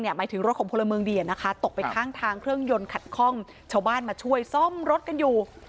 หมายถึงรถของพลเมืองดีนะคะตกไปข้างทางเครื่องยนต์ขัดคล่องชาวบ้านมาช่วยซ่อมรถกันอยู่